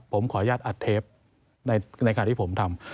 ผมขออนุญาตอัดเทปในขณะที่ผมทำ